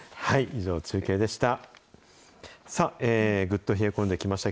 以上、中継でした。